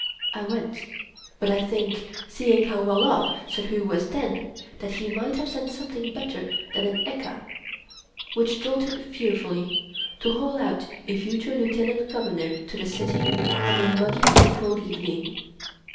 I went; but I think, seeing how well off Suddhoo was then, that he might have sent something better than an ekka, which jolted fearfully, to haul out a future Lieutenant Governor to the City on a muggy April evening.